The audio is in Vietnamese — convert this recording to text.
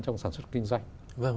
trong sản xuất kinh doanh